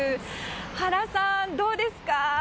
原さん、どうですか？